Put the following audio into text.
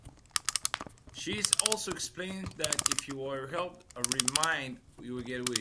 She also explains that if you help a mermaid, you get a wish.